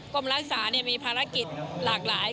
กรมรักษามีภารกิจหลากหลาย